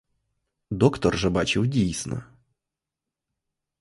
Доктор же бачив дійсно.